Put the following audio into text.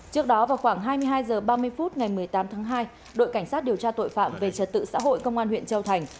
trước đó vào khoảng hai mươi hai h ba mươi phút ngày một mươi tám tháng hai đội cảnh sát điều tra tội phạm về trật tự xã hội công an huyện châu thành